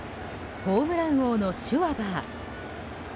ホームラン王のシュワバー。